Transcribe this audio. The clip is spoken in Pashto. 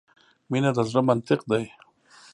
مینه د زړه منطق ده .